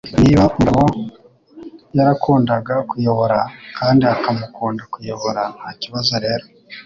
Niba Mugabo yarakundaga kuyobora, kandi akamukunda kuyobora, ntakibazo rero.